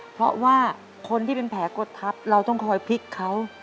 เพราะว่าคนที่เป็นแผลกดทับเราต้องคอยพลิกเขา